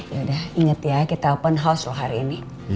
yaudah inget ya kita open house loh hari ini